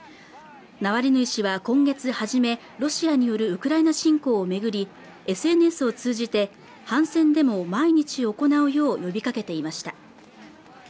ナワリヌイ氏は今月初めロシアによるウクライナ侵攻を巡りＳＮＳを通じて反戦デモを毎日行うよう呼びかけていました